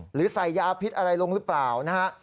หรือใส่ยาพิษอะไรลงหรือเปล่านะฮะ